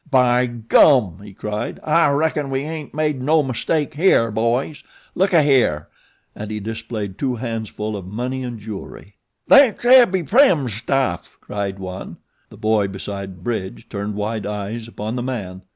"By gum!" he cried, "I reckon we ain't made no mistake here, boys. Look ahere!" and he displayed two handsful of money and jewelry. "Thet's Abbie Prim's stuff," cried one. The boy beside Bridge turned wide eyes upon the man.